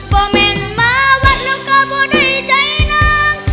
บอแม่งมาวันเรามกับได้ใจน้าง